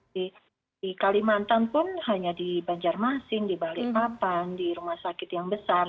di kalimantan pun hanya di banjarmasin di balikpapan di rumah sakit yang besar